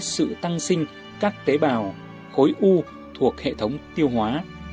sự tăng sinh các tế bào khối u thuộc hệ thống tiêu hóa